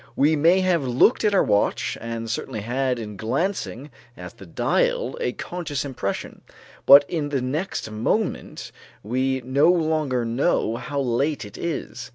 We may have looked at our watch and certainly had in glancing at the dial a conscious impression, but in the next moment we no longer know how late it is.